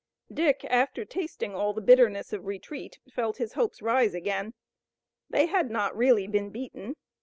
Dick, after tasting all the bitterness of retreat, felt his hopes rise again. They had not really been beaten.